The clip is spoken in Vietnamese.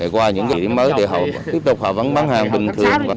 qua những điểm mới để họ tiếp tục bán hàng bình thường